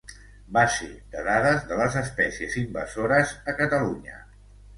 Base de dades de les espècies invasores a Catalunya.